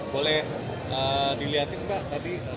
boleh dilihatin pak tadi